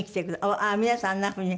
あっ皆さんあんなふうに。